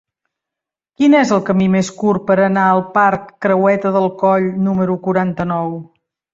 Quin és el camí més curt per anar al parc Creueta del Coll número quaranta-nou?